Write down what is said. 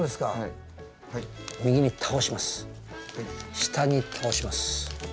で左に倒します。